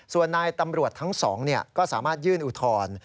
ส่วนนายตำรวจทั้งสองก็สามารถยื่นอุทธรณ์